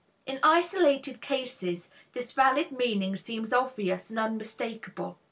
In isolated cases this valid meaning seems obvious and unmistakable.